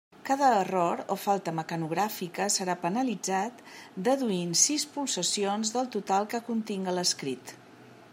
Cada error o falta mecanogràfica serà penalitzat deduint sis pulsacions del total que continga l'escrit.